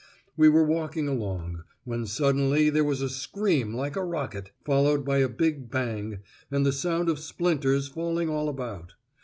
We were walking along, when suddenly there was a scream like a rocket, followed by a big bang, and the sound of splinters falling all about.